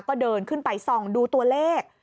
ก็เดินขึ้นไปส่องดูตัวเลข